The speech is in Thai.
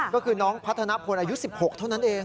ก็คือน้องพัฒนพลอายุ๑๖เท่านั้นเอง